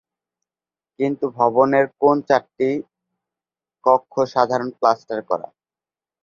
কিন্তু ভবনের কোন চারটি কক্ষ সাধারণ প্লাস্টার করা।